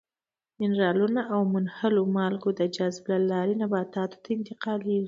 منرالونه او منحلو مالګو د جذب له لارې نباتاتو ته انتقالیږي.